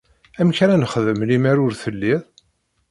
Amek ara nexdem lemmer ur telliḍ?